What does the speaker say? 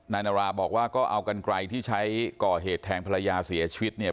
นาราบอกว่าก็เอากันไกลที่ใช้ก่อเหตุแทงภรรยาเสียชีวิตเนี่ย